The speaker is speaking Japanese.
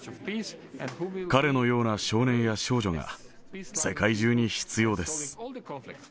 彼のような少年や少女が世界中に必要です。